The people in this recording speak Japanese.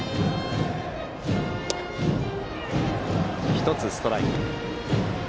１つ、ストライク。